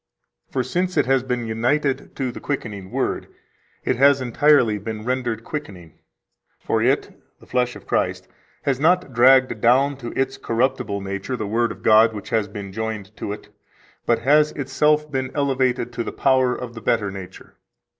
For since it has been united to the quickening Word, it has entirely been rendered quickening. For it [the flesh of Christ] has not dragged down to its corruptible nature the Word of God which has been joined to it, but has itself been elevated to the power of the better nature.